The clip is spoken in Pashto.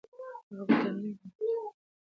هغه به تر غرمې پورې انتظار کړی وي.